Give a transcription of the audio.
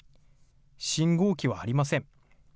信号機はありません。